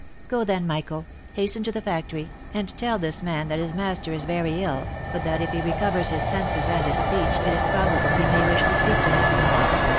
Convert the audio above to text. Go then, Michael ! hasten to the factory, and tell this man that his master is very ill, but that if he recovers his senses and his speech, it is probable he may wish to speak to him."